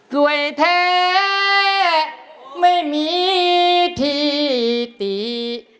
สวยแท้ไม่มีที่ติ